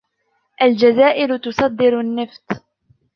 الجزائر تصدر النفط.